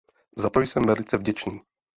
Za to jsem velice vděčný.